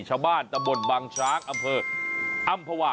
ชาวบ้านตะบดบางช้างอำเภออำภาวะ